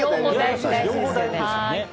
両方大事ですよね。